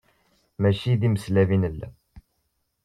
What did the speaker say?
Mačči d timeslab i nella.